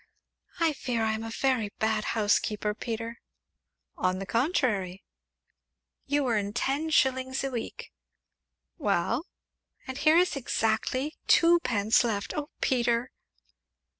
"I fear I am a very bad housekeeper, Peter." "On the contrary." "You earn ten shillings a week." "Well?" "And here is exactly twopence left oh, Peter!"